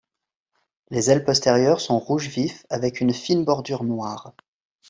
Les ailes postérieures sont rouge vif avec une fine bordure noire.